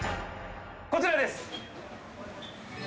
こちらです。